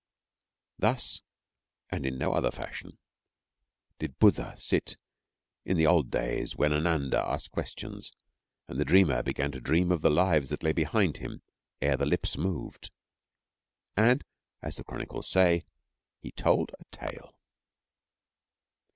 Thus, and in no other fashion, did Buddha sit in the old days when Ananda asked questions and the dreamer began to dream of the lives that lay behind him ere the lips moved, and as the Chronicles say: 'He told a tale.'